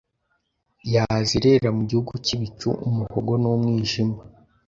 Yazerera mu gihugu cyibicu umuhogo numwijima